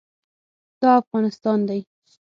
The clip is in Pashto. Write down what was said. دا افغانستان دی.